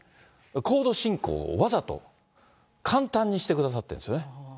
コード進行をわざと簡単にしてくださっているんですよね。